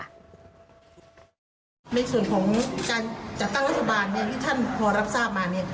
ในส่วนของการจัดตั้งรัฐบาลที่ท่านพอรับทราบมา